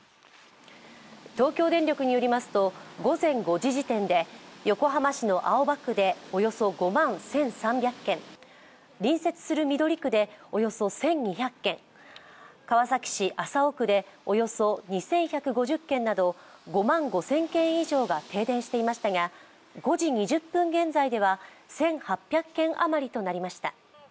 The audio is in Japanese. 東京電力によりますと午前５時時点で横浜市の青葉区でおよそ５万１３００軒隣接する緑区でおよそ１２００軒川崎市麻生区でおよそ２１５０軒など５万５０００軒以上が停電していましたが５時２０分現在では１８００軒あまりとなりました。